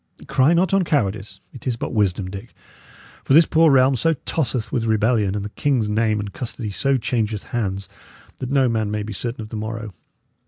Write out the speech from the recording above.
Cry not on cowardice; it is but wisdom, Dick; for this poor realm so tosseth with rebellion, and the king's name and custody so changeth hands, that no man may be certain of the morrow.